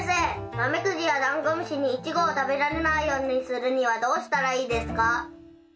ナメクジやダンゴムシにイチゴを食べられないようにするにはどうしたらいいですか？